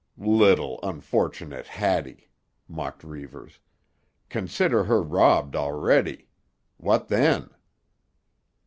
"'Little, unfortunate Hattie!'" mocked Reivers. "Consider her robbed already. What then?"